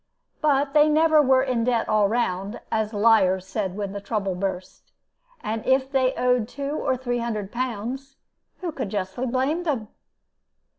But they never were in debt all round, as the liars said when the trouble burst; and if they owed two or three hundred pounds, who could justly blame them?